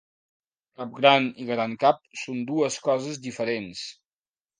Cap gran i gran cap són dues coses diferents.